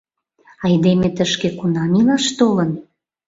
Айдеме тышке кунам илаш толын?